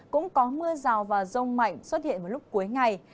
cũng có mưa rào và rông mạnh xuất hiện vào lúc cuối ngày